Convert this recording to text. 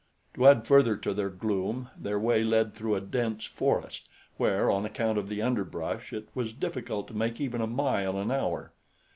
To add further to their gloom, their way led through a dense forest, where, on account of the underbrush, it was difficult to make even a mile an hour.